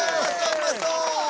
うまそう。